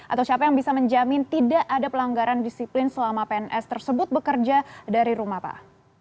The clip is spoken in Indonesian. atau siapa yang bisa menjamin tidak ada pelanggaran disiplin selama pns tersebut bekerja dari rumah pak